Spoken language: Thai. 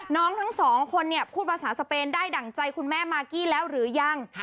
ทั้งสองคนเนี่ยพูดภาษาสเปนได้ดั่งใจคุณแม่มากกี้แล้วหรือยัง